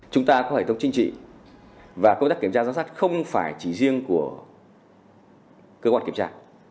chúng ta có hệ thống chính trị và công tác kiểm tra giám sát không phải chỉ riêng của cơ quan kiểm tra